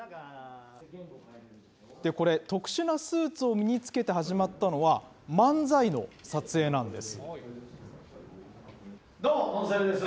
これ、特殊なスーツを身に着けて始まったのは、漫才の撮影なんです。